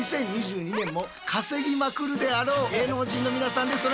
２０２２年も稼ぎまくるであろう芸能人の皆さんです。